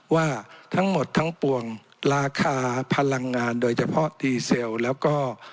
ว่าทั้งหมดทั้งปวงราคาพลังงานโดยเฉพาะดีเซลแล้วก็